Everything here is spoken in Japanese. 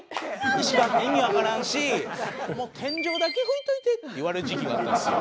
「石川君意味わからんしもう天井だけ拭いといて」って言われる時期があったんですよ。